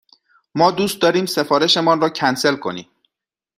ما دوست داریم سفارش مان را کنسل کنیم.